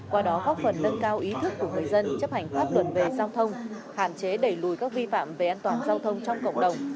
qua đó góp phần nâng cao ý thức của người dân chấp hành pháp luật về giao thông hạn chế đẩy lùi các vi phạm về an toàn giao thông trong cộng đồng